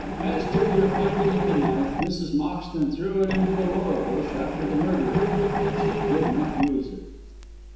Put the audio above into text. As to your finding of the knife, Mrs. Moxton threw it into the laurel bush after the murder, but she did not use it."